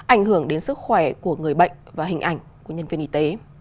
ảnh hưởng đến sức khỏe của người bệnh và hình ảnh của nhân viên y tế